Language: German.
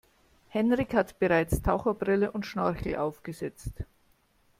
Henrik hat bereits Taucherbrille und Schnorchel aufgesetzt.